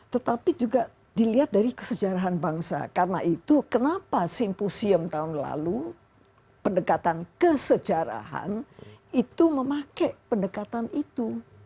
tetapi juga dilihat dari kesejarahan bangsa karena itu kenapa simposium tahun lalu pendekatan kesejarahan itu memakai pendekatan itu